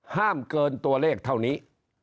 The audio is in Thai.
เกินตัวเลขเท่านี้